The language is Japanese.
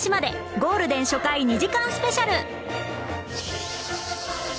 ゴールデン初回２時間スペシャル